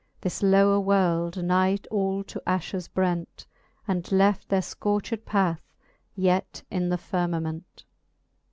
This lower world nigh all to afhes brent, And left their fcorched path yet in the firmament.